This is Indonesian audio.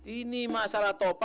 ini masalah topan